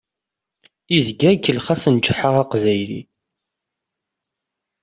Izga ikellex-asen Ǧeḥḥa Aqbayli.